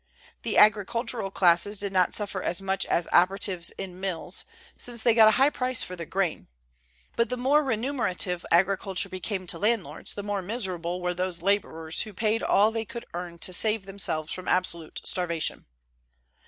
The agricultural classes did not suffer as much as operatives in mills, since they got a high price for their grain; but the more remunerative agriculture became to landlords, the more miserable were those laborers who paid all they could earn to save themselves from absolute starvation.